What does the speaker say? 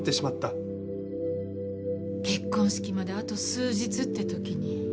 結婚式まであと数日って時に。